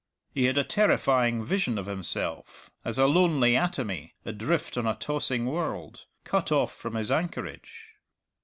He had a terrifying vision of himself as a lonely atomy, adrift on a tossing world, cut off from his anchorage.